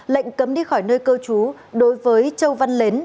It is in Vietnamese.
lệnh cấm đi khỏi nơi cơ chú đối với châu văn lến